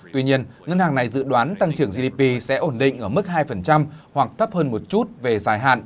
tuy nhiên ngân hàng này dự đoán tăng trưởng gdp sẽ ổn định ở mức hai hoặc thấp hơn một chút về dài hạn